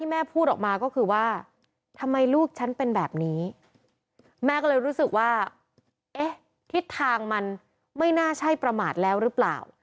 แม่ก็เลยรู้สึกว่าทิศทางมันไม่น่าใช่ประมาทแล้วหรือเปล่า